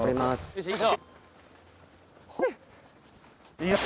よし！